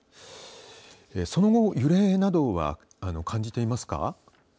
その後、揺れなどは感じていますか。